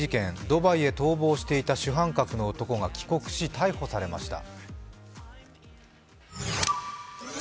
ドバイで逃亡していた主犯格の男が帰国し逮捕されました。